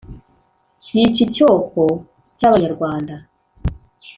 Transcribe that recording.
yica icyoko cy’abanyarwanda